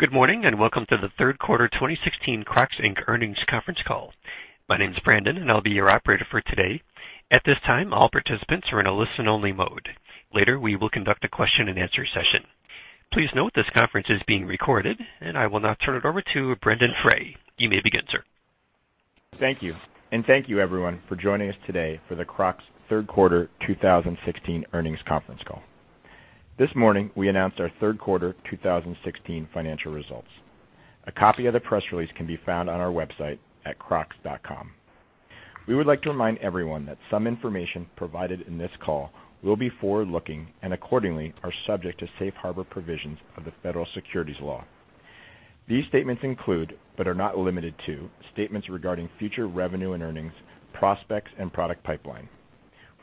Good morning. Welcome to the third quarter 2016 Crocs, Inc. earnings conference call. My name is Brandon, and I'll be your operator for today. At this time, all participants are in a listen only mode. Later, we will conduct a question and answer session. Please note this conference is being recorded, and I will now turn it over to Brendon Frey. You may begin, sir. Thank you. Thank you, everyone, for joining us today for the Crocs third quarter 2016 earnings conference call. This morning, we announced our third quarter 2016 financial results. A copy of the press release can be found on our website at crocs.com. We would like to remind everyone that some information provided in this call will be forward-looking and accordingly are subject to Safe Harbor provisions of the Federal Securities Law. These statements include, but are not limited to, statements regarding future revenue and earnings, prospects, and product pipeline.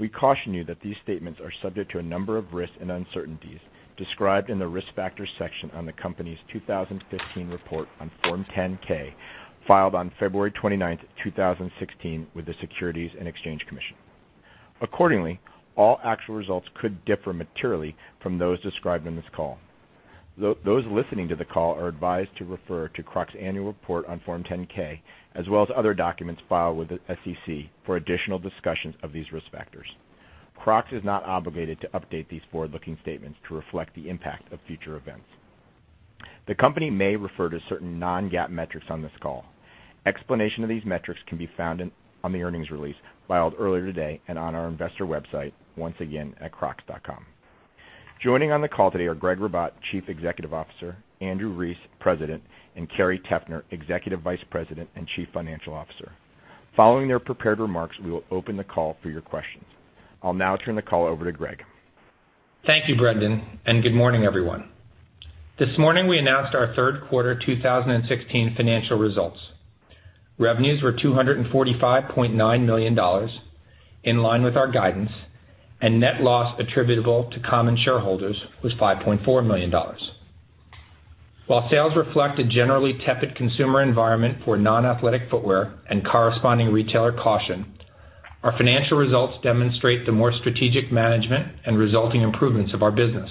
We caution you that these statements are subject to a number of risks and uncertainties described in the Risk Factors section on the company's 2015 report on Form 10-K, filed on February 29th, 2016, with the Securities and Exchange Commission. All actual results could differ materially from those described on this call. Those listening to the call are advised to refer to Crocs' annual report on Form 10-K, as well as other documents filed with the SEC for additional discussions of these risk factors. Crocs is not obligated to update these forward-looking statements to reflect the impact of future events. The company may refer to certain non-GAAP metrics on this call. Explanation of these metrics can be found on the earnings release filed earlier today and on our investor website, once again at crocs.com. Joining on the call today are Gregg Ribatt, Chief Executive Officer, Andrew Rees, President, and Carrie Teffner, Executive Vice President and Chief Financial Officer. Following their prepared remarks, we will open the call for your questions. I'll now turn the call over to Gregg. Thank you, Brendon. Good morning, everyone. This morning, we announced our third quarter 2016 financial results. Revenues were $245.9 million, in line with our guidance, and net loss attributable to common shareholders was $5.4 million. While sales reflect a generally tepid consumer environment for non-athletic footwear and corresponding retailer caution, our financial results demonstrate the more strategic management and resulting improvements of our business.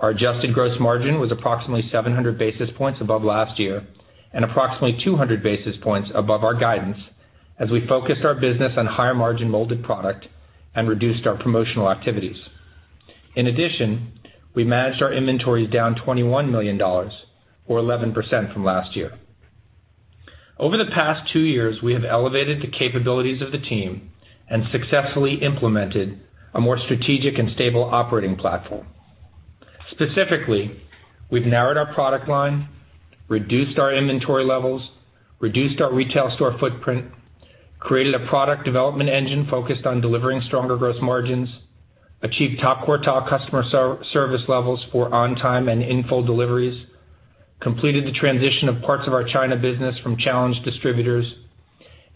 Our adjusted gross margin was approximately 700 basis points above last year and approximately 200 basis points above our guidance as we focused our business on higher-margin molded product and reduced our promotional activities. In addition, we managed our inventories down $21 million or 11% from last year. Over the past two years, we have elevated the capabilities of the team and successfully implemented a more strategic and stable operating platform. Specifically, we've narrowed our product line, reduced our inventory levels, reduced our retail store footprint, created a product development engine focused on delivering stronger gross margins, achieved top quartile customer service levels for on-time and in-full deliveries, completed the transition of parts of our China business from challenged distributors,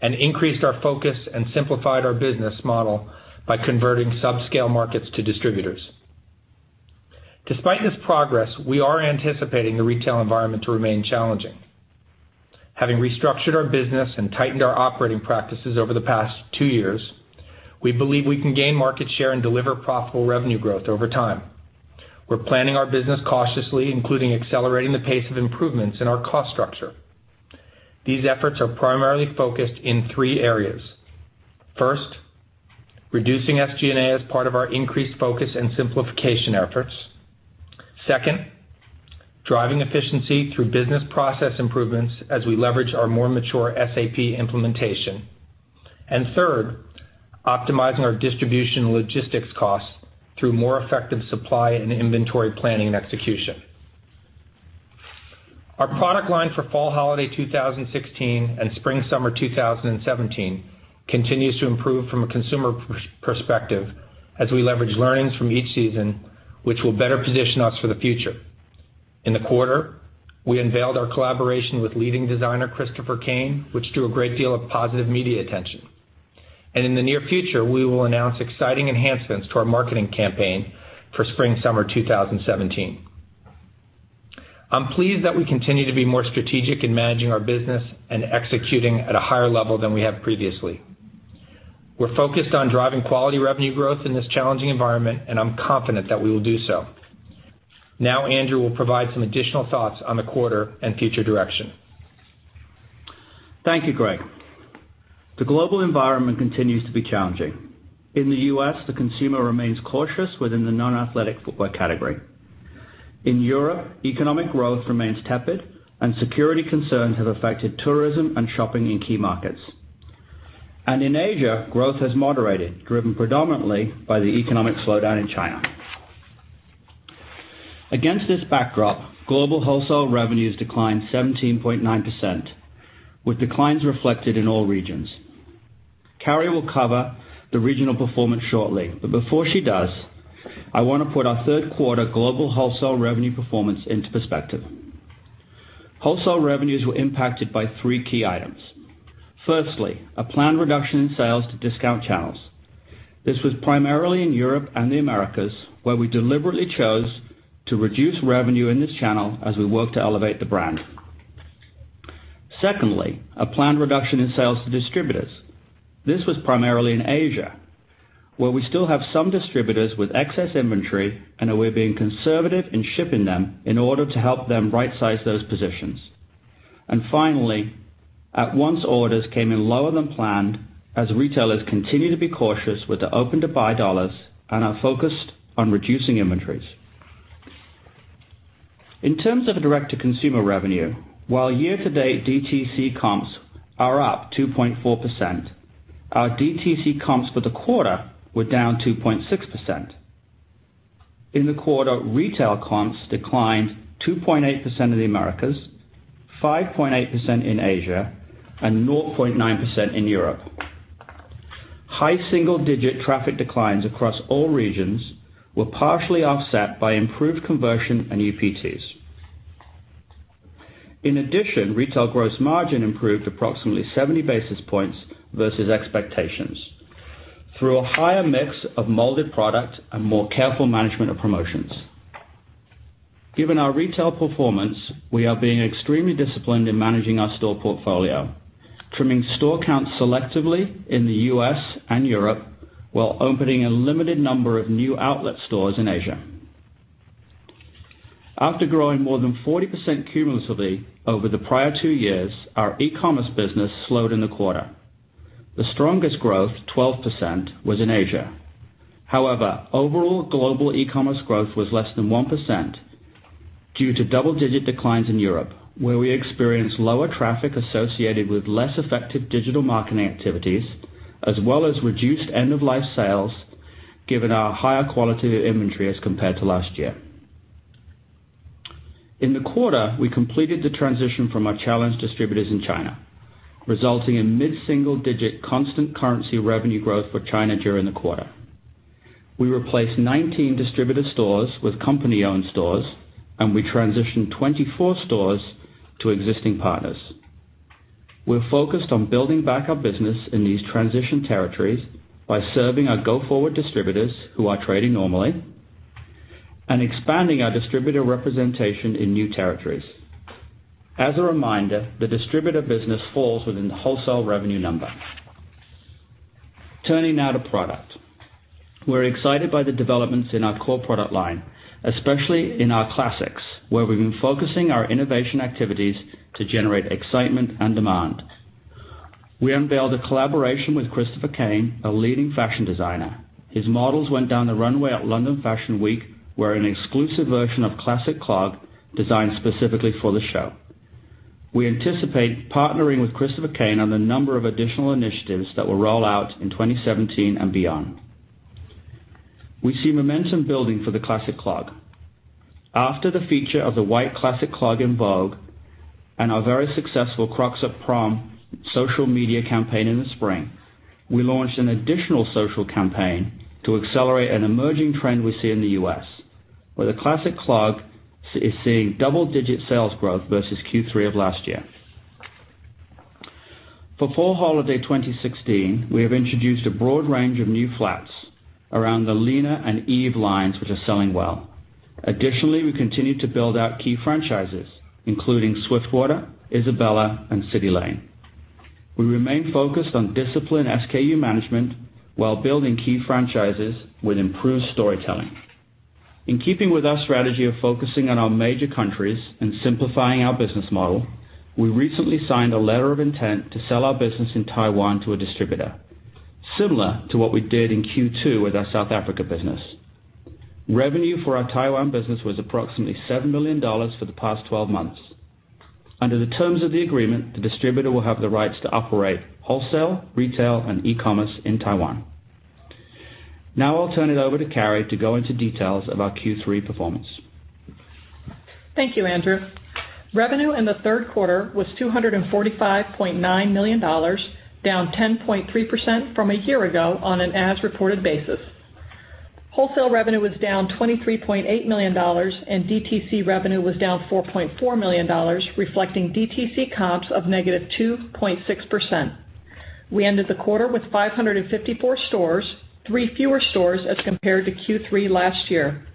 and increased our focus and simplified our business model by converting subscale markets to distributors. Despite this progress, we are anticipating the retail environment to remain challenging. Having restructured our business and tightened our operating practices over the past two years, we believe we can gain market share and deliver profitable revenue growth over time. We're planning our business cautiously, including accelerating the pace of improvements in our cost structure. These efforts are primarily focused in three areas. First, reducing SG&A as part of our increased focus and simplification efforts. Second, driving efficiency through business process improvements as we leverage our more mature SAP implementation. Third, optimizing our distribution logistics costs through more effective supply and inventory planning and execution. Our product line for fall holiday 2016 and spring/summer 2017 continues to improve from a consumer perspective as we leverage learnings from each season, which will better position us for the future. In the quarter, we unveiled our collaboration with leading designer Christopher Kane, which drew a great deal of positive media attention. In the near future, we will announce exciting enhancements to our marketing campaign for spring/summer 2017. I'm pleased that we continue to be more strategic in managing our business and executing at a higher level than we have previously. We're focused on driving quality revenue growth in this challenging environment, and I'm confident that we will do so. Now Andrew will provide some additional thoughts on the quarter and future direction. Thank you, Gregg. The global environment continues to be challenging. In the U.S., the consumer remains cautious within the non-athletic footwear category. In Europe, economic growth remains tepid, and security concerns have affected tourism and shopping in key markets. In Asia, growth has moderated, driven predominantly by the economic slowdown in China. Against this backdrop, global wholesale revenues declined 17.9%, with declines reflected in all regions. Carrie will cover the regional performance shortly. Before she does, I want to put our third quarter global wholesale revenue performance into perspective. Wholesale revenues were impacted by three key items. Firstly, a planned reduction in sales to discount channels. This was primarily in Europe and the Americas, where we deliberately chose to reduce revenue in this channel as we work to elevate the brand Secondly, a planned reduction in sales to distributors. This was primarily in Asia, where we still have some distributors with excess inventory, and we're being conservative in shipping them in order to help them rightsize those positions. Finally, at-once orders came in lower than planned as retailers continue to be cautious with their open-to-buy dollars and are focused on reducing inventories. In terms of direct-to-consumer revenue, while year-to-date DTC comps are up 2.4%, our DTC comps for the quarter were down 2.6%. In the quarter, retail comps declined 2.8% in the Americas, 5.8% in Asia, and 0.9% in Europe. High single-digit traffic declines across all regions were partially offset by improved conversion and UPTs. In addition, retail gross margin improved approximately 70 basis points versus expectations through a higher mix of molded product and more careful management of promotions. Given our retail performance, we are being extremely disciplined in managing our store portfolio, trimming store counts selectively in the U.S. and Europe while opening a limited number of new outlet stores in Asia. After growing more than 40% cumulatively over the prior two years, our e-commerce business slowed in the quarter. The strongest growth, 12%, was in Asia. However, overall global e-commerce growth was less than 1% due to double-digit declines in Europe, where we experienced lower traffic associated with less effective digital marketing activities, as well as reduced end-of-life sales given our higher quality of inventory as compared to last year. In the quarter, we completed the transition from our challenged distributors in China, resulting in mid-single-digit constant currency revenue growth for China during the quarter. We replaced 19 distributor stores with company-owned stores, and we transitioned 24 stores to existing partners. We're focused on building back our business in these transition territories by serving our go-forward distributors who are trading normally and expanding our distributor representation in new territories. As a reminder, the distributor business falls within the wholesale revenue number. Turning now to product. We're excited by the developments in our core product line, especially in our Classics, where we've been focusing our innovation activities to generate excitement and demand. We unveiled a collaboration with Christopher Kane, a leading fashion designer. His models went down the runway at London Fashion Week, wearing an exclusive version of Classic Clog, designed specifically for the show. We anticipate partnering with Christopher Kane on a number of additional initiatives that will roll out in 2017 and beyond. We see momentum building for the Classic Clog. After the feature of the white Classic Clog in Vogue and our very successful Crocs at Prom social media campaign in the spring, we launched an additional social campaign to accelerate an emerging trend we see in the U.S., where the Classic Clog is seeing double-digit sales growth versus Q3 of last year. For fall holiday 2016, we have introduced a broad range of new flats around the Lena and Eve lines, which are selling well. Additionally, we continue to build out key franchises, including Swiftwater, Isabella, and CitiLane. We remain focused on disciplined SKU management while building key franchises with improved storytelling. In keeping with our strategy of focusing on our major countries and simplifying our business model, we recently signed a letter of intent to sell our business in Taiwan to a distributor, similar to what we did in Q2 with our South Africa business. Revenue for our Taiwan business was approximately $7 million for the past 12 months. Under the terms of the agreement, the distributor will have the rights to operate wholesale, retail, and e-commerce in Taiwan. I'll turn it over to Carrie to go into details of our Q3 performance. Thank you, Andrew. Revenue in the third quarter was $245.9 million, down 10.3% from a year ago on an as-reported basis. Wholesale revenue was down $23.8 million. DTC revenue was down $4.4 million, reflecting DTC comps of -2.6%. We ended the quarter with 554 stores, three fewer stores as compared to Q3 last year.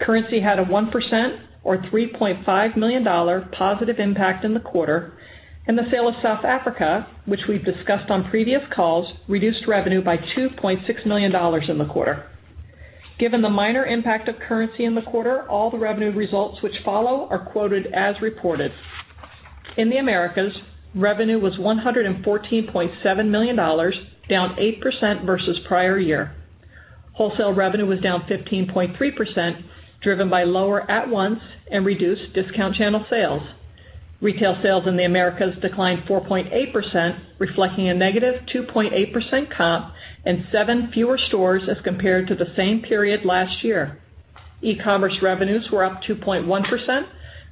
Currency had a 1%, or $3.5 million, positive impact in the quarter. The sale of South Africa, which we've discussed on previous calls, reduced revenue by $2.6 million in the quarter. Given the minor impact of currency in the quarter, all the revenue results which follow are quoted as reported. In the Americas, revenue was $114.7 million, down 8% versus prior year. Wholesale revenue was down 15.3%, driven by lower at-once and reduced discount channel sales. Retail sales in the Americas declined 4.8%, reflecting a -2.8% comp and seven fewer stores as compared to the same period last year. E-commerce revenues were up 2.1%,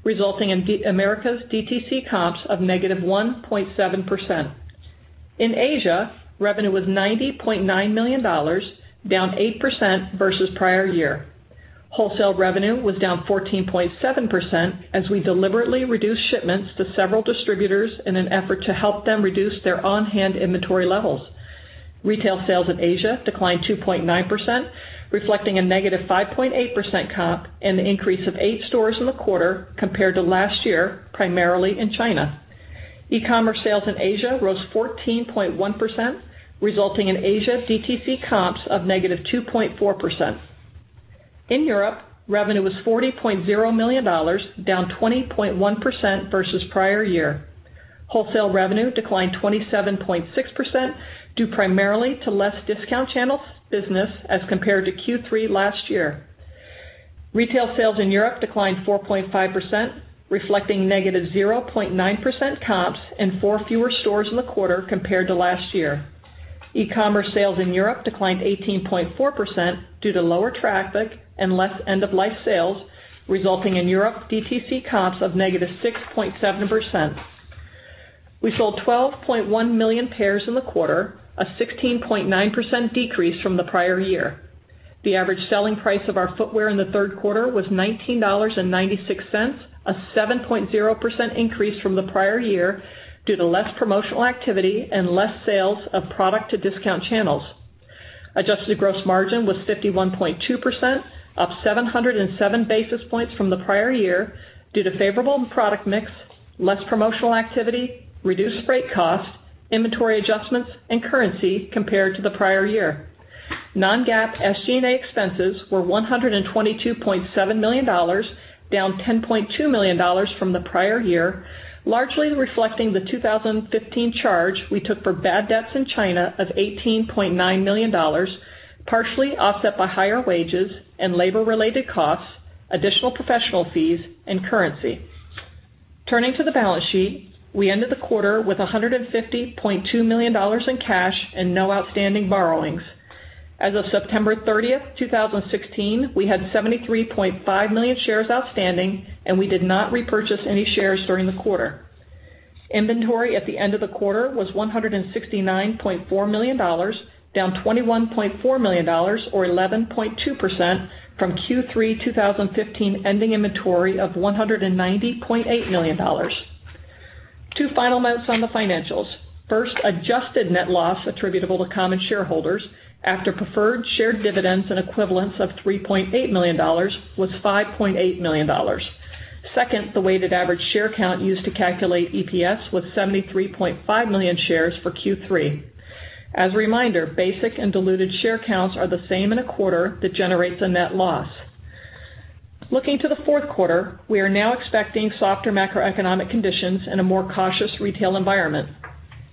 resulting in America's DTC comps of -1.7%. In Asia, revenue was $90.9 million, down 8% versus prior year. Wholesale revenue was down 14.7% as we deliberately reduced shipments to several distributors in an effort to help them reduce their on-hand inventory levels. Retail sales in Asia declined 2.9%, reflecting a negative 5.8% comp and an increase of eight stores in the quarter compared to last year, primarily in China. E-commerce sales in Asia rose 14.1%, resulting in Asia DTC comps of negative 2.4%. In Europe, revenue was $40.0 million, down 20.1% versus prior year. Wholesale revenue declined 27.6%, due primarily to less discount channel business as compared to Q3 last year. Retail sales in Europe declined 4.5%, reflecting negative 0.9% comps and four fewer stores in the quarter compared to last year. E-commerce sales in Europe declined 18.4% due to lower traffic and less end-of-life sales, resulting in Europe DTC comps of negative 6.7%. We sold 12.1 million pairs in the quarter, a 16.9% decrease from the prior year. The average selling price of our footwear in the third quarter was $19.96, a 7.0% increase from the prior year due to less promotional activity and less sales of product to discount channels. Adjusted gross margin was 51.2%, up 707 basis points from the prior year due to favorable product mix, less promotional activity, reduced freight costs, inventory adjustments, and currency compared to the prior year. Non-GAAP SG&A expenses were $122.7 million, down $10.2 million from the prior year, largely reflecting the 2015 charge we took for bad debts in China of $18.9 million, partially offset by higher wages and labor-related costs, additional professional fees, and currency. Turning to the balance sheet, we ended the quarter with $150.2 million in cash and no outstanding borrowings. As of September 30th, 2016, we had 73.5 million shares outstanding, and we did not repurchase any shares during the quarter. Inventory at the end of the quarter was $169.4 million, down $21.4 million, or 11.2%, from Q3 2015 ending inventory of $190.8 million. Two final notes on the financials. First, adjusted net loss attributable to common shareholders, after preferred shared dividends and equivalents of $3.8 million, was $5.8 million. Second, the weighted average share count used to calculate EPS was 73.5 million shares for Q3. As a reminder, basic and diluted share counts are the same in a quarter that generates a net loss. Looking to the fourth quarter, we are now expecting softer macroeconomic conditions and a more cautious retail environment.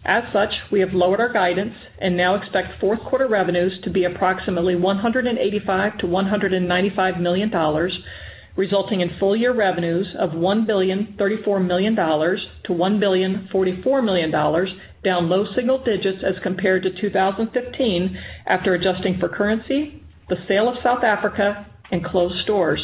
As such, we have lowered our guidance and now expect fourth quarter revenues to be approximately $185 million-$195 million, resulting in full year revenues of $1.034 billion-$1.044 billion, down low single digits as compared to 2015 after adjusting for currency, the sale of South Africa, and closed stores.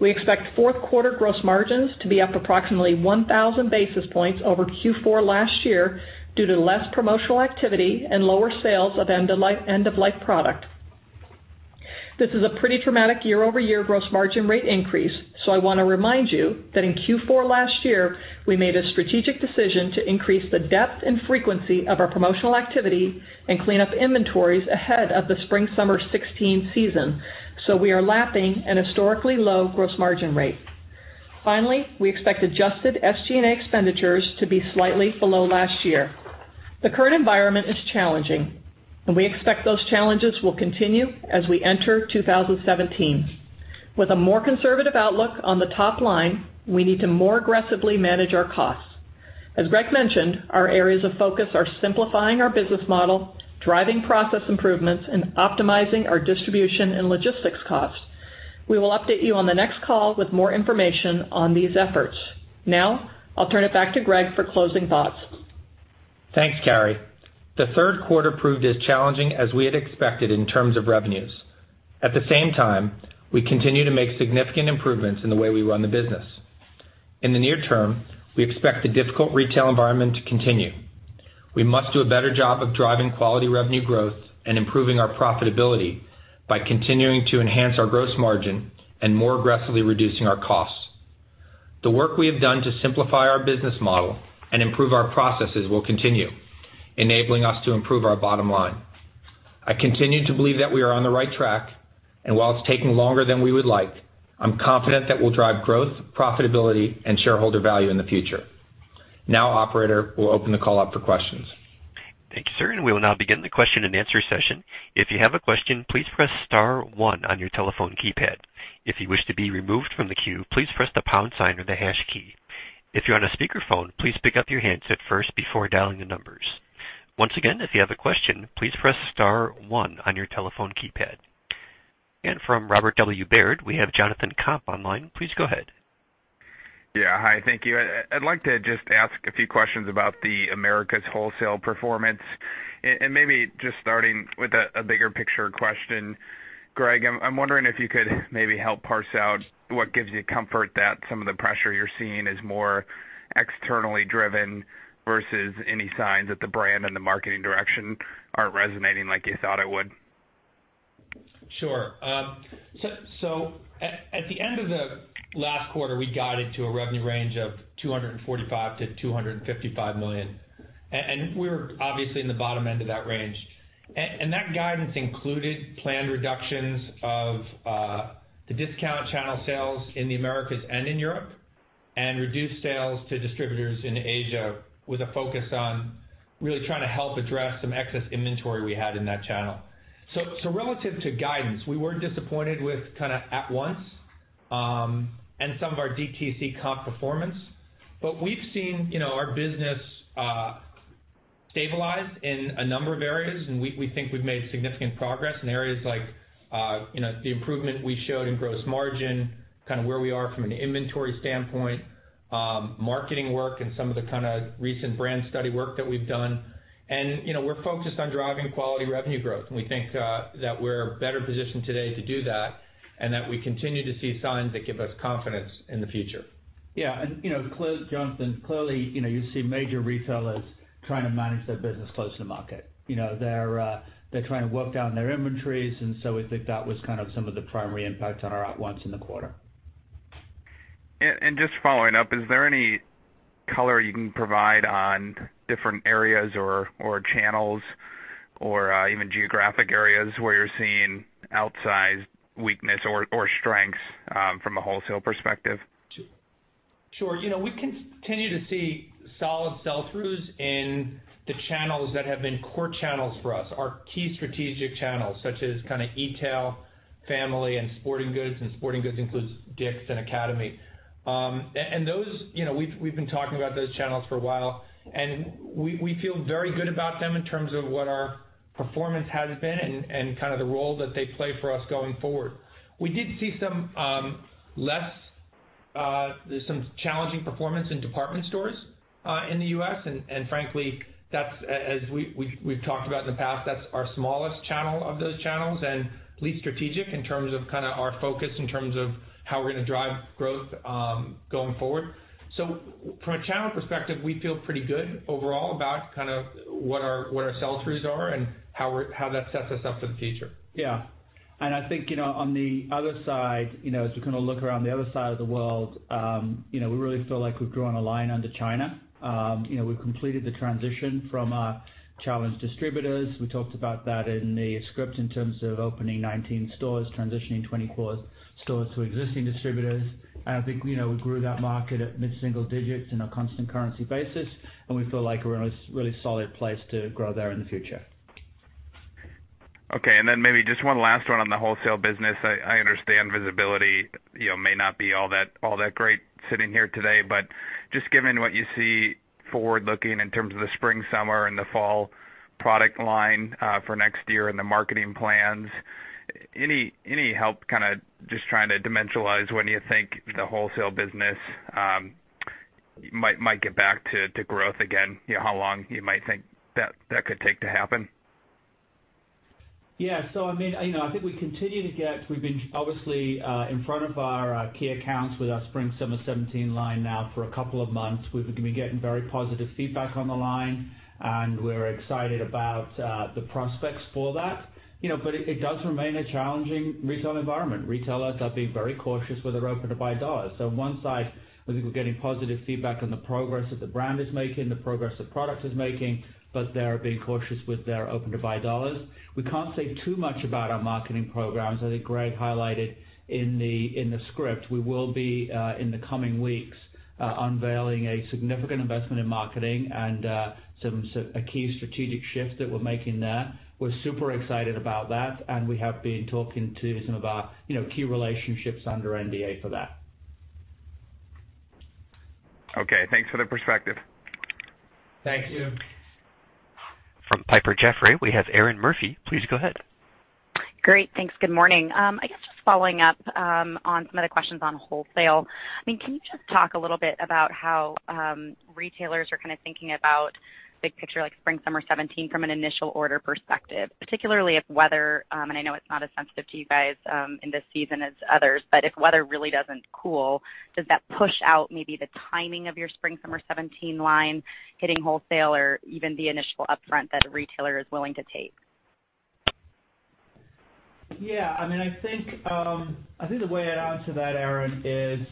We expect fourth quarter gross margins to be up approximately 1,000 basis points over Q4 last year due to less promotional activity and lower sales of end-of-life product. This is a pretty dramatic year-over-year gross margin rate increase, so I want to remind you that in Q4 last year, we made a strategic decision to increase the depth and frequency of our promotional activity and clean up inventories ahead of the spring/summer 2016 season, so we are lapping an historically low gross margin rate. Finally, we expect adjusted SG&A expenditures to be slightly below last year. The current environment is challenging, and we expect those challenges will continue as we enter 2017. With a more conservative outlook on the top line, we need to more aggressively manage our costs. As Gregg mentioned, our areas of focus are simplifying our business model, driving process improvements, and optimizing our distribution and logistics costs. We will update you on the next call with more information on these efforts. Now, I'll turn it back to Gregg for closing thoughts. Thanks, Carrie. The third quarter proved as challenging as we had expected in terms of revenues. At the same time, we continue to make significant improvements in the way we run the business. In the near term, we expect the difficult retail environment to continue. We must do a better job of driving quality revenue growth and improving our profitability by continuing to enhance our gross margin and more aggressively reducing our costs. The work we have done to simplify our business model and improve our processes will continue, enabling us to improve our bottom line. I continue to believe that we are on the right track, and while it's taking longer than we would like, I'm confident that we'll drive growth, profitability, and shareholder value in the future. Now, operator, we'll open the call up for questions. Thank you, sir. We will now begin the question and answer session. If you have a question, please press *1 on your telephone keypad. If you wish to be removed from the queue, please press the pound sign or the hash key. If you are on a speakerphone, please pick up your handset first before dialing the numbers. Once again, if you have a question, please press *1 on your telephone keypad. From Robert W. Baird, we have Jonathan Komp online. Please go ahead. Hi, thank you. I would like to just ask a few questions about the Americas wholesale performance, maybe just starting with a bigger picture question. Gregg, I am wondering if you could maybe help parse out what gives you comfort that some of the pressure you are seeing is more externally driven versus any signs that the brand and the marketing direction are not resonating like you thought it would? Sure. At the end of the last quarter, we guided to a revenue range of $245 million to $255 million. We are obviously in the bottom end of that range. That guidance included planned reductions of the discount channel sales in the Americas and in Europe, and reduced sales to distributors in Asia, with a focus on really trying to help address some excess inventory we had in that channel. Relative to guidance, we were disappointed with at-once and some of our DTC comp performance, but we have seen our business stabilize in a number of areas, and we think we have made significant progress in areas like the improvement we showed in gross margin, where we are from an inventory standpoint, marketing work and some of the recent brand study work that we have done. We are focused on driving quality revenue growth. We think that we are better positioned today to do that and that we continue to see signs that give us confidence in the future. Jonathan, clearly, you see major retailers trying to manage their business close to market. They're trying to work down their inventories, we think that was some of the primary impacts on our at-once in the quarter. Just following up, is there any color you can provide on different areas or channels or even geographic areas where you're seeing outsized weakness or strengths from a wholesale perspective? Sure. We continue to see solid sell-throughs in the channels that have been core channels for us, our key strategic channels, such as e-tail, family, and sporting goods, and sporting goods includes DICK'S and Academy. We've been talking about those channels for a while, we feel very good about them in terms of what our performance has been and the role that they play for us going forward. We did see some challenging performance in department stores in the U.S., frankly, as we've talked about in the past, that's our smallest channel of those channels, least strategic in terms of our focus in terms of how we're going to drive growth going forward. From a channel perspective, we feel pretty good overall about what our sell-throughs are and how that sets us up for the future. Yeah. I think, on the other side, as we look around the other side of the world, we really feel like we've drawn a line under China. We've completed the transition from challenged distributors. We talked about that in the script in terms of opening 19 stores, transitioning 24 stores to existing distributors. I think we grew that market at mid-single digits in a constant currency basis, we feel like we're in a really solid place to grow there in the future. Okay, maybe just one last one on the wholesale business. I understand visibility may not be all that great sitting here today, but just given what you see forward-looking in terms of the spring, summer, and the fall product line for next year and the marketing plans, any help just trying to dimensionalize when you think the wholesale business might get back to growth again? How long you might think that could take to happen? Yeah. I think we continue to get, we've been obviously in front of our key accounts with our spring, summer 2017 line now for a couple of months. We've been getting very positive feedback on the line, and we're excited about the prospects for that. It does remain a challenging retail environment. Retailers are being very cautious with their open-to-buy dollars. On one side, we think we're getting positive feedback on the progress that the brand is making, the progress that product is making, but they're being cautious with their open-to-buy dollars. We can't say too much about our marketing programs. I think Gregg highlighted in the script, we will be, in the coming weeks, unveiling a significant investment in marketing and a key strategic shift that we're making there. We're super excited about that, and we have been talking to some of our key relationships under NDA for that. Okay. Thanks for the perspective. Thank you. From Piper Jaffray, we have Erinn Murphy. Please go ahead. Great. Thanks. Good morning. I guess just following up on some of the questions on wholesale. Can you just talk a little bit about how retailers are thinking about big picture, like spring, summer 2017 from an initial order perspective, particularly if weather, and I know it's not as sensitive to you guys in this season as others, but if weather really doesn't cool, does that push out maybe the timing of your spring, summer 2017 line hitting wholesale or even the initial upfront that a retailer is willing to take? Yeah. I think the way I'd answer that, Erinn, is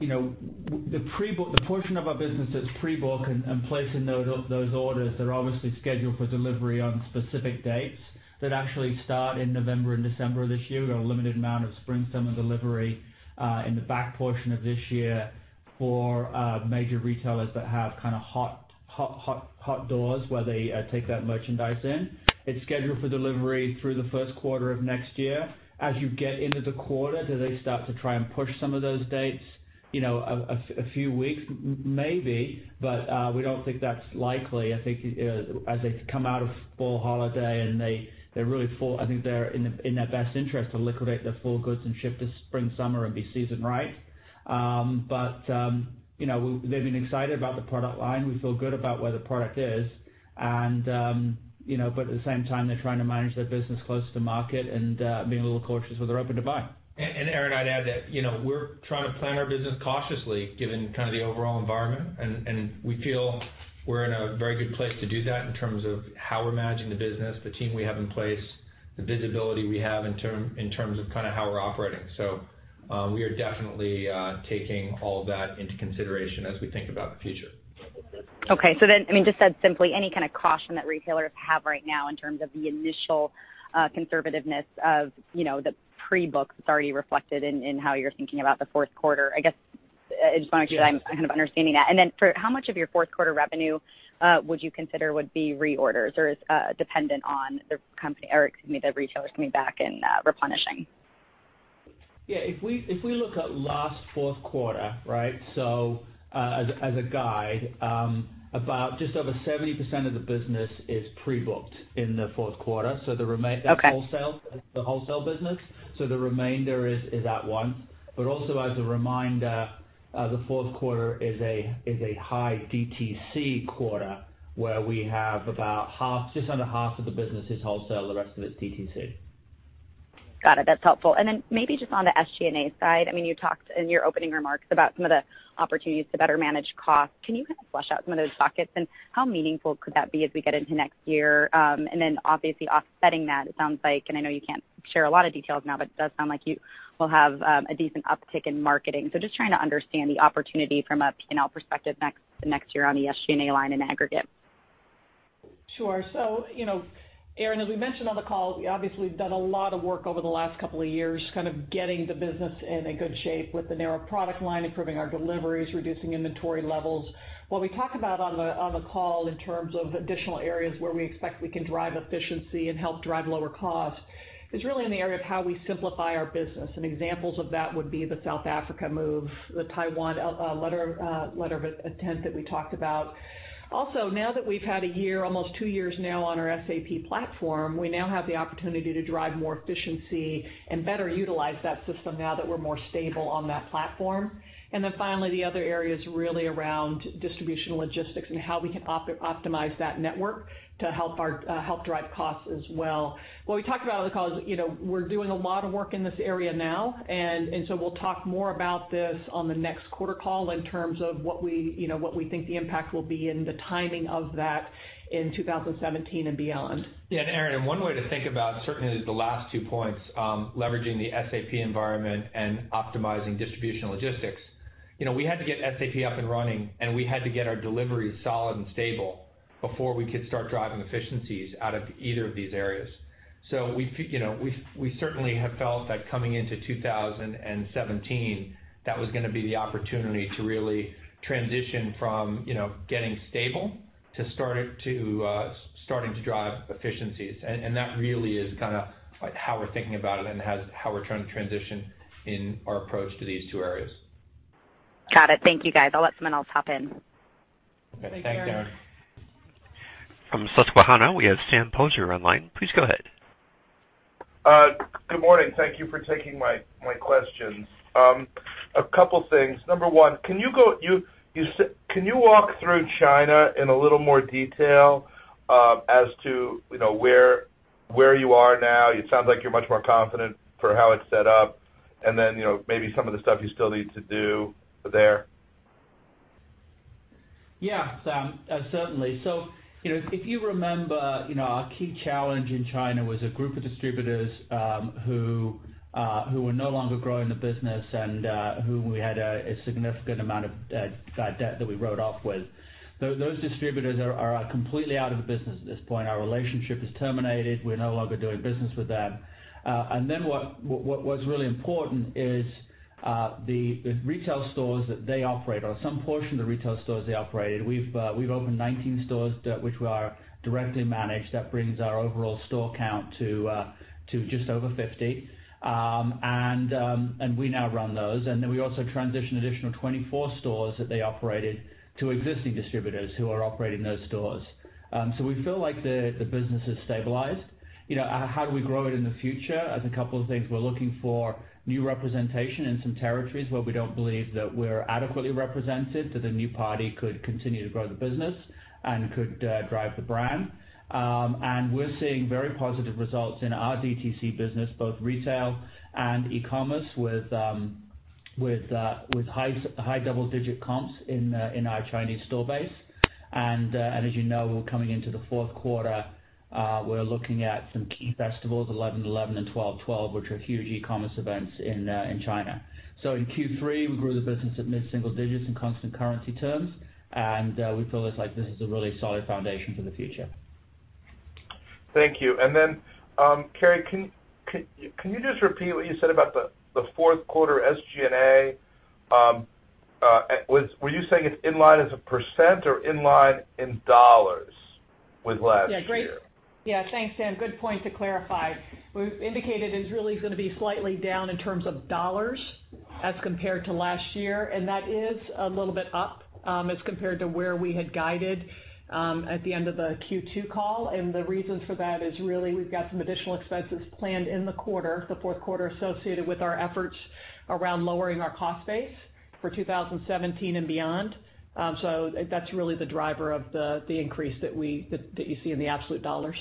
the portion of our business that's pre-book and placing those orders, they're obviously scheduled for delivery on specific dates that actually start in November and December of this year. We've got a limited amount of spring, summer 2017 delivery in the back portion of this year for major retailers that have hot doors where they take that merchandise in. It's scheduled for delivery through the first quarter of next year. As you get into the quarter, do they start to try and push some of those dates a few weeks? Maybe, we don't think that's likely. I think as they come out of fall holiday and they're really fall, I think they're in their best interest to liquidate the fall goods and ship to spring, summer 2017, and be season right. They've been excited about the product line. We feel good about where the product is. At the same time, they're trying to manage their business close to market and being a little cautious with their open-to-buy. Erinn, I'd add that we're trying to plan our business cautiously given the overall environment, and we feel we're in a very good place to do that in terms of how we're managing the business, the team we have in place, the visibility we have in terms of how we're operating. We are definitely taking all of that into consideration as we think about the future. Okay. Just said simply, any kind of caution that retailers have right now in terms of the initial conservativeness of the pre-book that's already reflected in how you're thinking about the fourth quarter. I guess I just want to make sure I'm understanding that. And then for how much of your fourth quarter revenue would you consider would be reorders or is dependent on the company, or excuse me, the retailers coming back and replenishing? Yeah. If we look at last fourth quarter, as a guide, about just over 70% of the business is pre-booked in the fourth quarter. Okay. The wholesale business. The remainder is at-once. Also as a reminder, the fourth quarter is a high DTC quarter, where we have about just under half of the business is wholesale, the rest of it is DTC. Got it. That's helpful. Maybe just on the SG&A side, you talked in your opening remarks about some of the opportunities to better manage costs. Can you kind of flesh out some of those buckets and how meaningful could that be as we get into next year? Obviously offsetting that, it sounds like, and I know you can't share a lot of details now, but it does sound like you will have a decent uptick in marketing. Just trying to understand the opportunity from a P&L perspective next year on the SG&A line in aggregate. Sure. Erinn, as we mentioned on the call, we obviously have done a lot of work over the last couple of years, kind of getting the business in a good shape with the narrow product line, improving our deliveries, reducing inventory levels. What we talked about on the call in terms of additional areas where we expect we can drive efficiency and help drive lower costs is really in the area of how we simplify our business. Examples of that would be the South Africa move, the Taiwan letter of intent that we talked about. Also, now that we've had a year, almost 2 years now on our SAP platform, we now have the opportunity to drive more efficiency and better utilize that system now that we're more stable on that platform. Finally, the other area is really around distribution logistics and how we can optimize that network to help drive costs as well. What we talked about on the call is, we're doing a lot of work in this area now, we'll talk more about this on the next quarter call in terms of what we think the impact will be and the timing of that in 2017 and beyond. Erinn, one way to think about certainly the last two points, leveraging the SAP environment and optimizing distribution logistics. We had to get SAP up and running, and we had to get our deliveries solid and stable before we could start driving efficiencies out of either of these areas. We certainly have felt that coming into 2017, that was going to be the opportunity to really transition from getting stable to starting to drive efficiencies. That really is how we're thinking about it and how we're trying to transition in our approach to these two areas. Got it. Thank you, guys. I'll let someone else hop in. Okay. Thanks, Erinn. Thank you. From Susquehanna, we have Sam Poser online. Please go ahead. Good morning. Thank you for taking my questions. A couple things. Number one, can you walk through China in a little more detail as to where you are now? It sounds like you're much more confident for how it's set up, then maybe some of the stuff you still need to do there. Yeah, Sam. Certainly. If you remember, our key challenge in China was a group of distributors, who were no longer growing the business and who we had a significant amount of bad debt that we wrote off with. Those distributors are completely out of the business at this point. Our relationship is terminated. We're no longer doing business with them. Then what's really important is the retail stores that they operate, or some portion of the retail stores they operated. We've opened 19 stores that which we are directly managed. That brings our overall store count to just over 50. We now run those. Then we also transitioned additional 24 stores that they operated to existing distributors who are operating those stores. We feel like the business has stabilized. How do we grow it in the future? As a couple of things, we're looking for new representation in some territories where we don't believe that we're adequately represented, that a new party could continue to grow the business and could drive the brand. We're seeing very positive results in our DTC business, both retail and e-commerce, with high double-digit comps in our Chinese store base. As you know, we're coming into the fourth quarter. We're looking at some key festivals, 11/11 and 12/12, which are huge e-commerce events in China. In Q3, we grew the business at mid-single digits in constant currency terms, we feel as like this is a really solid foundation for the future. Thank you. Carrie, can you just repeat what you said about the fourth quarter SG&A? Were you saying it's in line as a % or in line in dollars with last year? Yeah. Thanks, Sam. Good point to clarify. We've indicated it's really going to be slightly down in terms of dollars as compared to last year, and that is a little bit up, as compared to where we had guided at the end of the Q2 call. The reason for that is really we've got some additional expenses planned in the quarter, the fourth quarter, associated with our efforts around lowering our cost base for 2017 and beyond. That's really the driver of the increase that you see in the absolute dollars.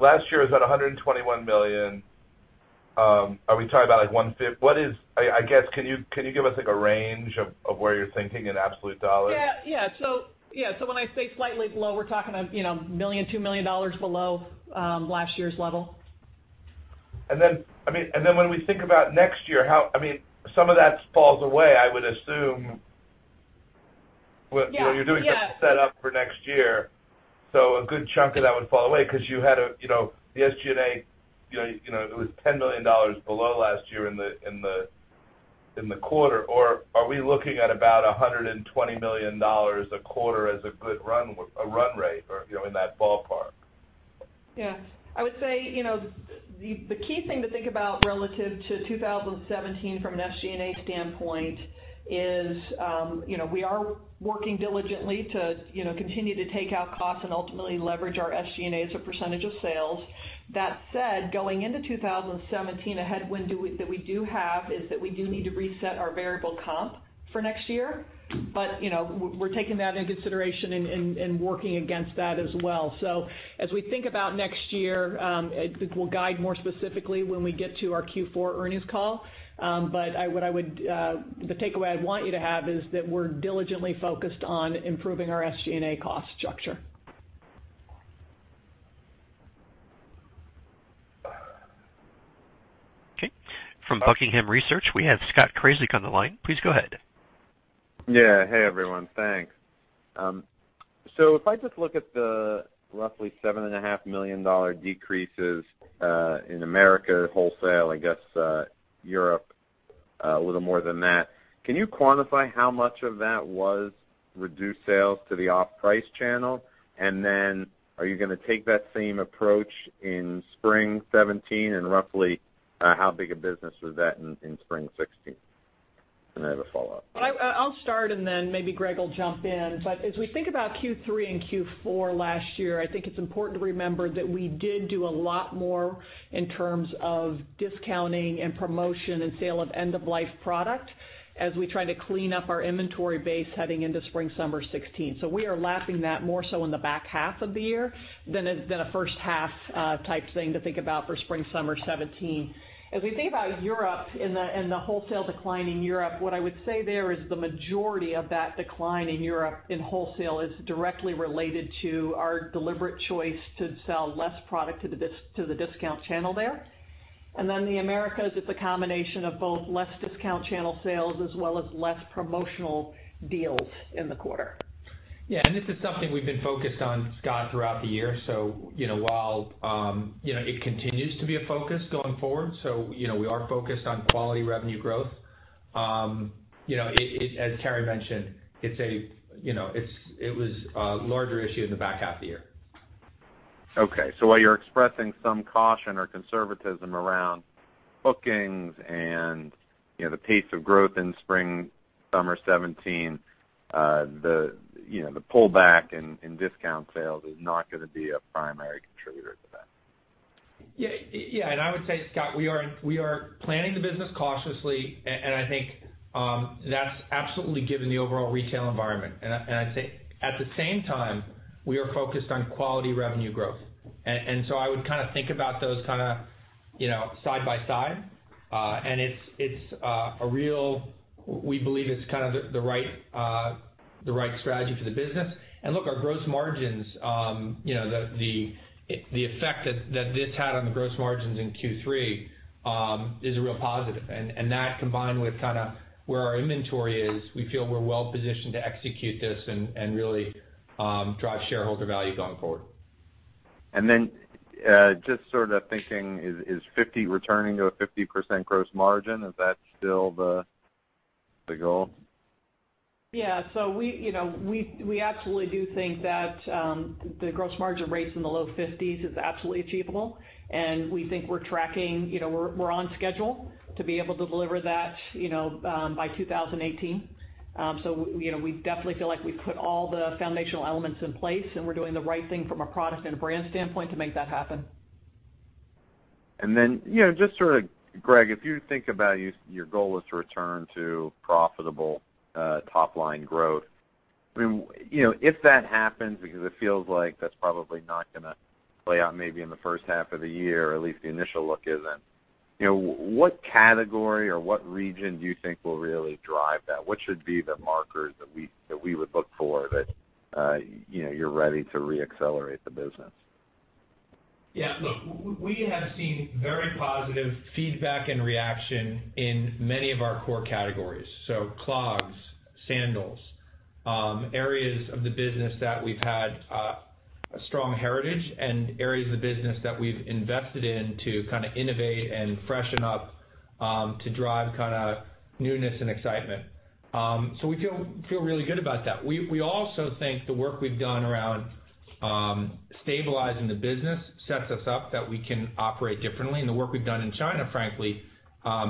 Last year was at $121 million. Are we talking about like, I guess, can you give us, like, a range of where you're thinking in absolute dollars? Yeah. When I say slightly low, we're talking $1 million, $2 million below last year's level. When we think about next year, some of that falls away, I would assume. Well, you're doing just a set up for next year. A good chunk of that would fall away because the SG&A, it was $10 million below last year in the quarter. Are we looking at about $120 million a quarter as a good run rate or in that ballpark? Yeah. I would say, the key thing to think about relative to 2017 from an SG&A standpoint is, we are working diligently to continue to take out costs and ultimately leverage our SG&A as a percentage of sales. That said, going into 2017, a headwind that we do have is that we do need to reset our variable comp for next year. We're taking that into consideration and working against that as well. As we think about next year, we'll guide more specifically when we get to our Q4 earnings call. The takeaway I want you to have is that we're diligently focused on improving our SG&A cost structure. Okay. From Buckingham Research, we have Scott Krasik on the line. Please go ahead. Yeah. Hey, everyone. Thanks. If I just look at the roughly $7.5 million decreases, in America wholesale, I guess, Europe, a little more than that. Can you quantify how much of that was reduced sales to the off-price channel? Are you going to take that same approach in spring 2017, and roughly how big a business was that in spring 2016? I have a follow-up. I'll start and then maybe Gregg will jump in. As we think about Q3 and Q4 last year, I think it's important to remember that we did do a lot more in terms of discounting and promotion and sale of end-of-life product as we tried to clean up our inventory base heading into spring/summer 2016. We are lapping that more so in the back half of the year than a first half type thing to think about for spring/summer 2017. As we think about Europe and the wholesale decline in Europe, what I would say there is the majority of that decline in Europe in wholesale is directly related to our deliberate choice to sell less product to the discount channel there. The Americas, it's a combination of both less discount channel sales as well as less promotional deals in the quarter. Yeah, this is something we've been focused on, Scott, throughout the year. While it continues to be a focus going forward, so we are focused on quality revenue growth. As Carrie mentioned, it was a larger issue in the back half of the year. Okay. While you're expressing some caution or conservatism around bookings and the pace of growth in spring/summer 2017, the pullback in discount sales is not going to be a primary contributor to that. Yeah. I would say, Scott, we are planning the business cautiously, and I think, that's absolutely given the overall retail environment. I'd say at the same time, we are focused on quality revenue growth. I would think about those side by side. We believe it's the right strategy for the business. Look, our gross margins, the effect that this had on the gross margins in Q3, is a real positive. That combined with where our inventory is, we feel we're well positioned to execute this and really drive shareholder value going forward. Is returning to a 50% gross margin, is that still the goal? We absolutely do think that the gross margin rates in the low 50s is absolutely achievable, and we think we're on schedule to be able to deliver that by 2018. We definitely feel like we've put all the foundational elements in place, and we're doing the right thing from a product and a brand standpoint to make that happen. Just sort of, Gregg, if you think about your goal is to return to profitable top-line growth. If that happens, because it feels like that's probably not going to play out maybe in the first half of the year, at least the initial look isn't. What category or what region do you think will really drive that? What should be the markers that we would look for that you're ready to re-accelerate the business? Look, we have seen very positive feedback and reaction in many of our core categories. Clogs, sandals, areas of the business that we've had a strong heritage and areas of the business that we've invested in to innovate and freshen up, to drive newness and excitement. We feel really good about that. We also think the work we've done around stabilizing the business sets us up that we can operate differently. The work we've done in China, frankly,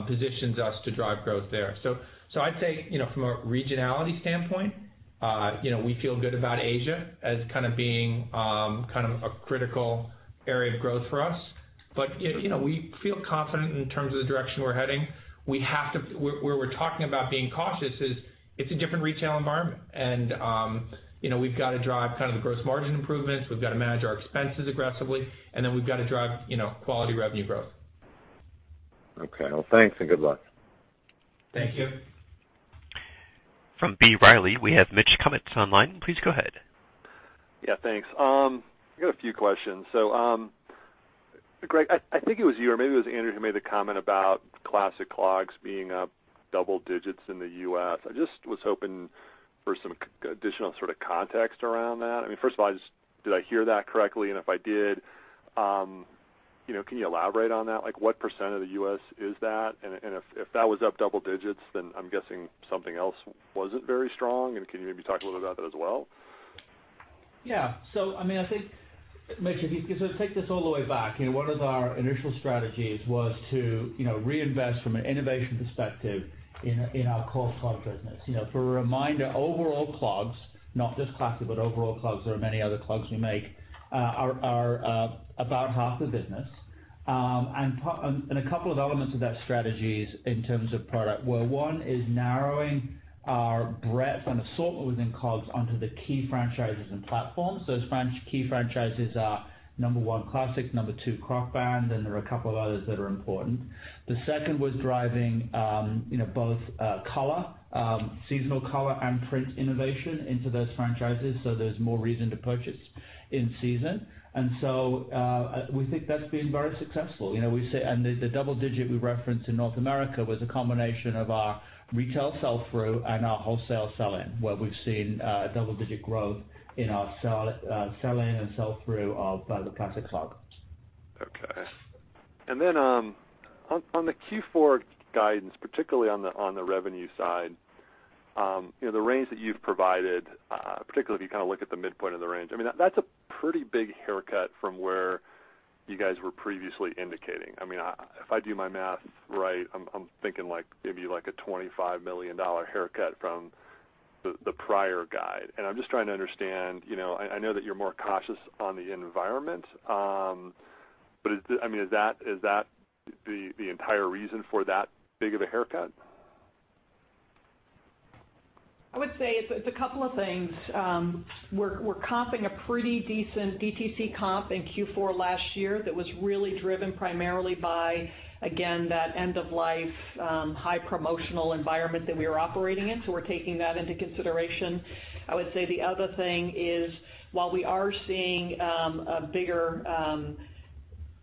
positions us to drive growth there. I'd say, from a regionality standpoint, we feel good about Asia as being a critical area of growth for us. We feel confident in terms of the direction we're heading. Where we're talking about being cautious is, it's a different retail environment. We've got to drive the gross margin improvements. We've got to manage our expenses aggressively, and then we've got to drive quality revenue growth. Okay. Well, thanks and good luck. Thank you. From B. Riley, we have Mitch Kummetz on the line. Please go ahead. Yeah, thanks. I got a few questions. I think it was you, or maybe it was Andrew, who made the comment about Classic Clogs being up double digits in the U.S. I just was hoping for some additional sort of context around that. First of all, did I hear that correctly? If I did, can you elaborate on that? What percent of the U.S. is that? If that was up double digits, then I'm guessing something else wasn't very strong. Can you maybe talk a little about that as well? Yeah. I think, Mitch, if you take this all the way back, one of our initial strategies was to reinvest from an innovation perspective in our core clog business. For a reminder, overall clogs, not just Classic, but overall clogs, there are many other clogs we make, are about half the business. A couple of elements of that strategy in terms of product were, one is narrowing our breadth and assortment within clogs onto the key franchises and platforms. Those key franchises are, number one, Classic, number two, Crocband, and there are a couple of others that are important. The second was driving both color, seasonal color and print innovation into those franchises, so there's more reason to purchase in-season. We think that's been very successful. The double digit we referenced in North America was a combination of our retail sell-through and our wholesale sell-in, where we've seen double-digit growth in our sell-in and sell-through of the Classic Clog. Okay. On the Q4 guidance, particularly on the revenue side, the range that you've provided, particularly if you look at the midpoint of the range, that's a pretty big haircut from where you guys were previously indicating. If I do my math right, I'm thinking maybe like a $25 million haircut from the prior guide. I'm just trying to understand, I know that you're more cautious on the environment, but is that the entire reason for that big of a haircut? I would say it's a couple of things. We're comping a pretty decent DTC comp in Q4 last year that was really driven primarily by, again, that end-of-life, high promotional environment that we were operating in. We're taking that into consideration. I would say the other thing is, while we are seeing bigger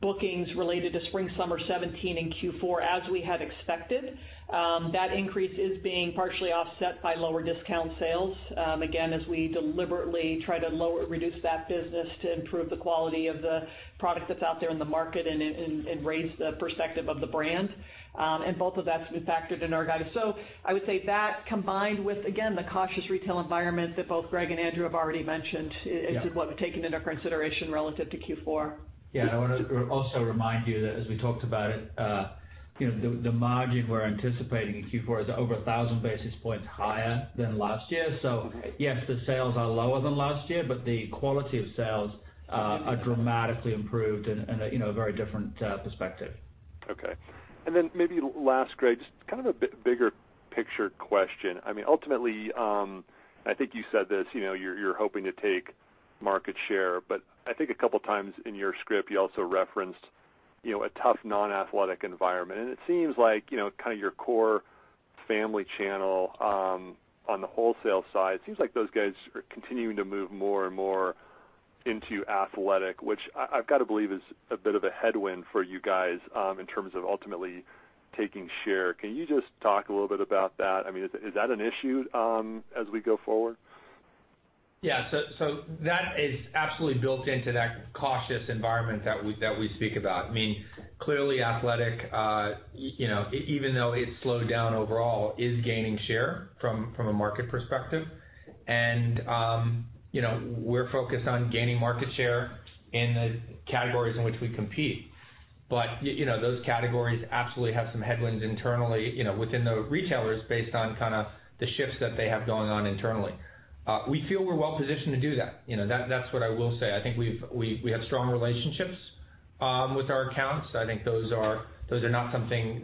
bookings related to spring/summer 2017 in Q4 as we had expected, that increase is being partially offset by lower discount sales, again, as we deliberately try to reduce that business to improve the quality of the product that's out there in the market and raise the perspective of the brand. Both of that's been factored in our guidance. I would say that combined with, again, the cautious retail environment that both Gregg and Andrew have already mentioned. Yeah Is what we've taken into consideration relative to Q4. Yeah. I want to also remind you that as we talked about it, the margin we're anticipating in Q4 is over 1,000 basis points higher than last year. Yes, the sales are lower than last year, but the quality of sales are dramatically improved in a very different perspective. Okay. Then maybe last, Gregg, just a bigger picture question. Ultimately, I think you said this, you're hoping to take market share, but I think a couple of times in your script, you also referenced a tough non-athletic environment. It seems like, your core family channel on the wholesale side, seems like those guys are continuing to move more and more into athletic, which I've got to believe is a bit of a headwind for you guys in terms of ultimately taking share. Can you just talk a little bit about that? Is that an issue as we go forward? Yeah. That is absolutely built into that cautious environment that we speak about. Clearly athletic, even though it's slowed down overall, is gaining share from a market perspective. We're focused on gaining market share in the categories in which we compete. Those categories absolutely have some headwinds internally within the retailers based on the shifts that they have going on internally. We feel we're well positioned to do that. That's what I will say. I think we have strong relationships with our accounts. I think those are something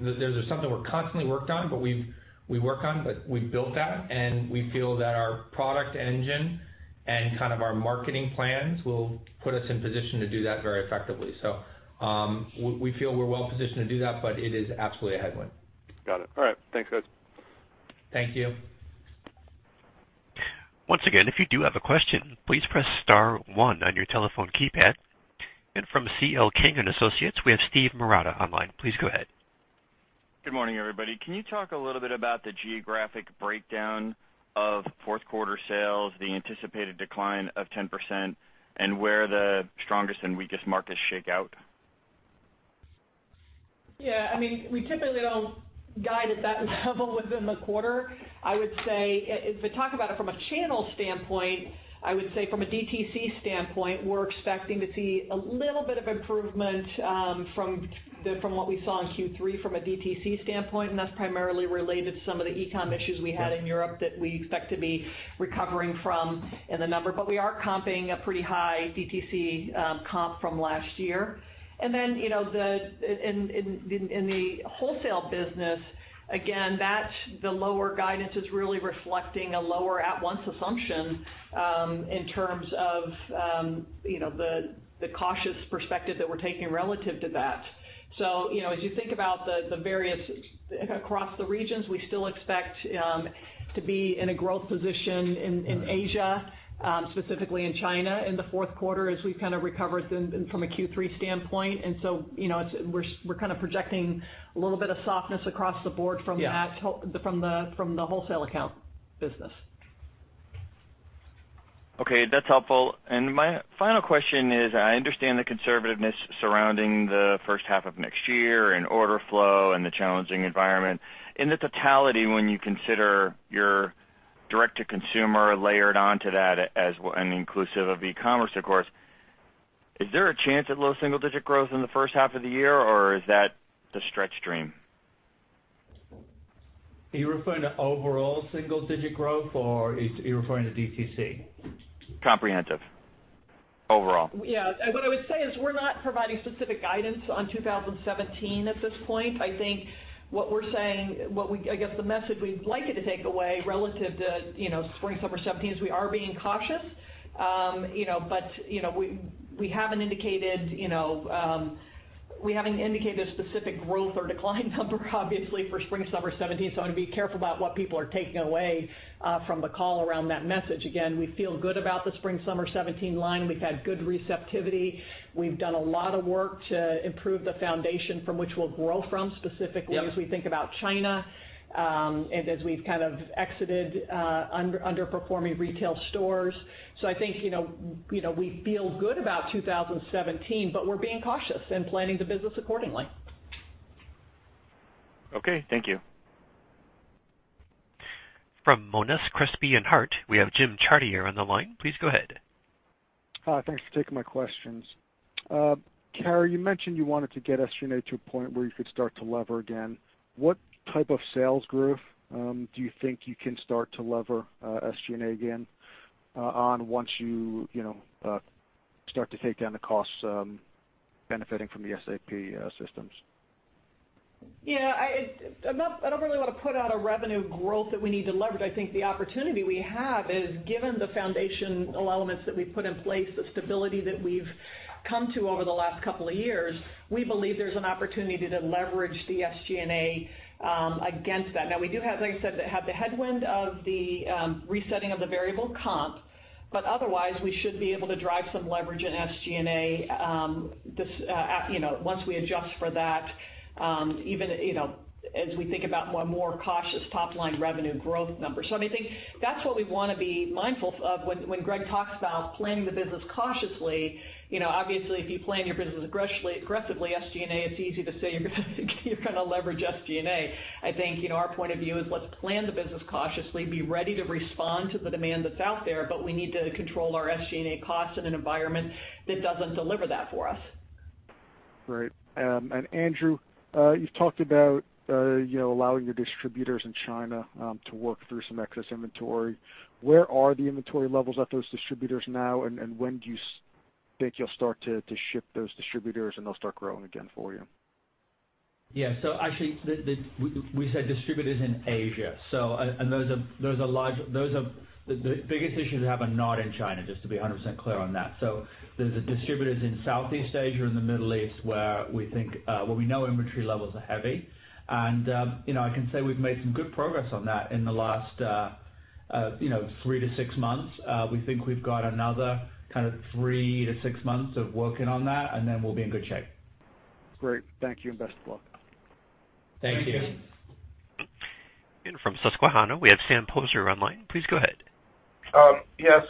we're constantly worked on, but we've built that, and we feel that our product engine and our marketing plans will put us in position to do that very effectively. We feel we're well positioned to do that, but it is absolutely a headwind. Got it. All right. Thanks, guys. Thank you. Once again, if you do have a question, please press star one on your telephone keypad. From C.L. King & Associates, we have Steve Marotta online. Please go ahead. Good morning, everybody. Can you talk a little bit about the geographic breakdown of fourth quarter sales, the anticipated decline of 10%, and where the strongest and weakest markets shake out? Yeah. We typically don't guide at that level within the quarter. I would say, if we talk about it from a channel standpoint, I would say from a DTC standpoint, we're expecting to see a little bit of improvement from what we saw in Q3 from a DTC standpoint, and that's primarily related to some of the e-com issues we had in Europe that we expect to be recovering from in the number. We are comping a pretty high DTC comp from last year. In the wholesale business, again, the lower guidance is really reflecting a lower at-once assumption in terms of the cautious perspective that we're taking relative to that. As you think about the various across the regions, we still expect to be in a growth position in Asia, specifically in China, in the fourth quarter as we've recovered from a Q3 standpoint. We're projecting a little bit of softness across the board from- Yeah the wholesale account business. Okay. That's helpful. My final question is, I understand the conservativeness surrounding the first half of next year and order flow and the challenging environment. In the totality, when you consider your Direct-to-Consumer layered onto that and inclusive of e-commerce, of course, is there a chance at low single digit growth in the first half of the year or is that the stretch dream? Are you referring to overall single digit growth or are you referring to DTC? Comprehensive. Overall. Yeah. What I would say is we're not providing specific guidance on 2017 at this point. I think what we're saying, I guess the message we'd like you to take away relative to spring/summer 2017 is we are being cautious. We haven't indicated a specific growth or decline number, obviously, for spring/summer 2017. I'm going to be careful about what people are taking away from the call around that message. Again, we feel good about the spring/summer 2017 line. We've had good receptivity. We've done a lot of work to improve the foundation from which we'll grow from specifically- Yeah as we think about China, and as we've exited underperforming retail stores. I think, we feel good about 2017, but we're being cautious and planning the business accordingly. Okay. Thank you. From Monness, Crespi and Hardt, we have Jim Chartier on the line. Please go ahead. Hi. Thanks for taking my questions. Carrie, you mentioned you wanted to get SG&A to a point where you could start to lever again. What type of sales growth do you think you can start to lever SG&A again on once you start to take down the costs benefiting from the SAP systems? I don't really want to put out a revenue growth that we need to leverage. I think the opportunity we have is given the foundational elements that we've put in place, the stability that we've come to over the last 2 years, we believe there's an opportunity to leverage the SG&A against that. Now we do have, like I said, the headwind of the resetting of the variable comp, but otherwise we should be able to drive some leverage in SG&A once we adjust for that, even as we think about a more cautious top-line revenue growth number. I think that's what we want to be mindful of when Gregg talks about planning the business cautiously. Obviously, if you plan your business aggressively, SG&A, it's easy to say you're going to leverage SG&A. I think, our point of view is let's plan the business cautiously, be ready to respond to the demand that's out there, but we need to control our SG&A costs in an environment that doesn't deliver that for us. Great. Andrew, you've talked about allowing your distributors in China to work through some excess inventory. Where are the inventory levels at those distributors now, and when do you think you'll start to ship those distributors, and they'll start growing again for you? Yeah. Actually, we said distributors in Asia. Those are large. The biggest issues we have are not in China, just to be 100% clear on that. There's the distributors in Southeast Asia and the Middle East where we know inventory levels are heavy. I can say we've made some good progress on that in the last 3 to 6 months. We think we've got another 3 to 6 months of working on that, and then we'll be in good shape. Great. Thank you, and best of luck. Thank you. Thank you. From Susquehanna, we have Sam Poser on the line. Please go ahead. Yes.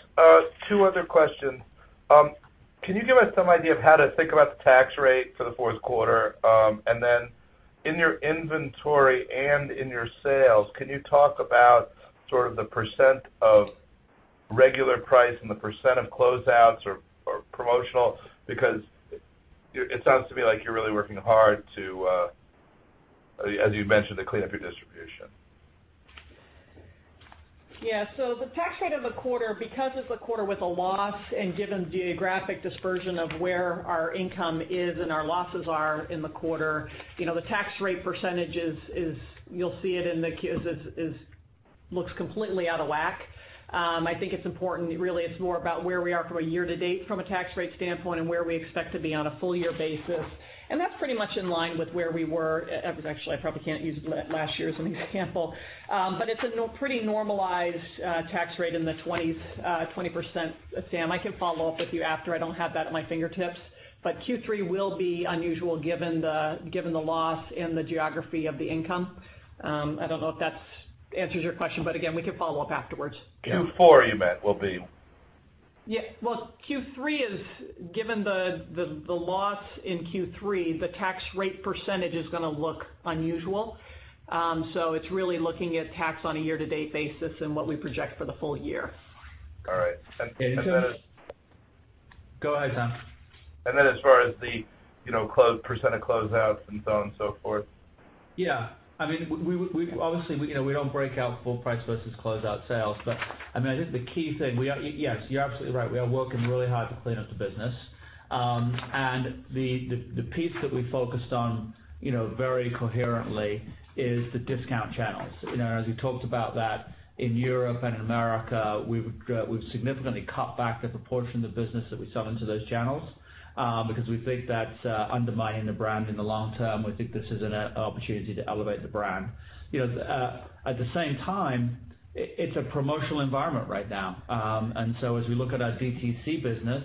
Two other questions. Can you give us some idea of how to think about the tax rate for the fourth quarter? In your inventory and in your sales, can you talk about sort of the % of regular price and the % of closeouts or promotional? Because it sounds to me like you're really working hard to, as you mentioned, to clean up your distribution. Yeah. The tax rate of a quarter, because it's a quarter with a loss and given the geographic dispersion of where our income is and our losses are in the quarter, the tax rate % is, you'll see it looks completely out of whack. I think it's important, really it's more about where we are from a year-to-date from a tax rate standpoint and where we expect to be on a full year basis. That's pretty much in line with where we were. Actually, I probably can't use last year as an example. It's a pretty normalized tax rate in the 20%. Sam, I can follow up with you after. I don't have that at my fingertips. Q3 will be unusual given the loss and the geography of the income. I don't know if that answers your question, again, we can follow up afterwards. Yeah. Q4 you meant will be. Well, Q3 is, given the loss in Q3, the tax rate % is going to look unusual. It's really looking at tax on a year-to-date basis and what we project for the full year. All right. Go ahead, Sam. As far as the % of closeouts and so on and so forth. Yeah. Obviously, we don't break out full price versus closeout sales. I think the key thing, yes, you're absolutely right. We are working really hard to clean up the business. The piece that we focused on very coherently is the discount channels. As we talked about that in Europe and in America, we've significantly cut back the proportion of the business that we sell into those channels because we think that's undermining the brand in the long term. We think this is an opportunity to elevate the brand. At the same time, it's a promotional environment right now. As we look at our DTC business,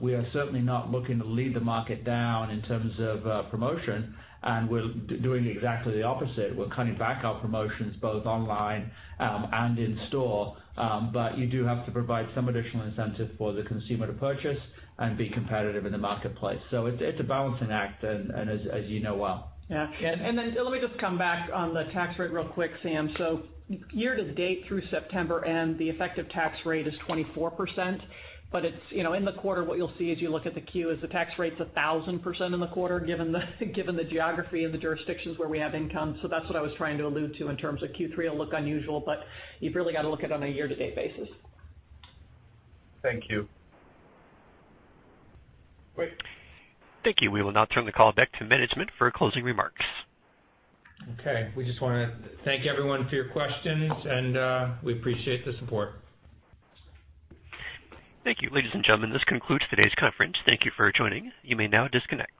we are certainly not looking to lead the market down in terms of promotion, and we're doing exactly the opposite. We're cutting back our promotions both online and in store. You do have to provide some additional incentive for the consumer to purchase and be competitive in the marketplace. It's a balancing act, as you know well. Yeah. Let me just come back on the tax rate real quick, Sam. Year to date through September end, the effective tax rate is 24%, but in the quarter, what you'll see as you look at the Q is the tax rate's 1,000% in the quarter given the geography and the jurisdictions where we have income. That's what I was trying to allude to in terms of Q3 will look unusual, but you've really got to look at it on a year to date basis. Thank you. Great. Thank you. We will now turn the call back to management for closing remarks. Okay. We just want to thank everyone for your questions, and we appreciate the support. Thank you. Ladies and gentlemen, this concludes today's conference. Thank you for joining. You may now disconnect.